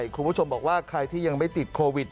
คุณผู้ชมบอกว่าใครที่ยังไม่ติดโควิด